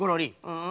うん？